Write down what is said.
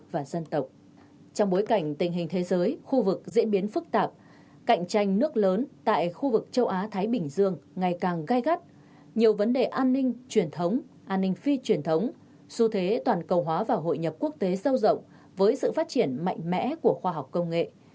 trong bối cảnh tình hình thế giới khu vực diễn biến phức tạp cạnh tranh nước lớn tại khu vực châu á thái bình dương ngày càng gai gắt nhiều vấn đề an ninh truyền thống an ninh phi truyền thống xu thế toàn cầu hóa và hội nhập quốc tế sâu rộng với sự phát triển mạnh mẽ của khoa học công nghệ